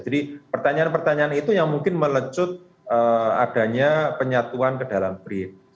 jadi pertanyaan pertanyaan itu yang mungkin melecut adanya penyatuan ke dalam brin